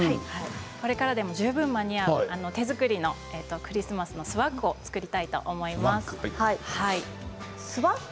これからでも十分に間に合う手作りのクリスマスのスワッグを作りたいと思います。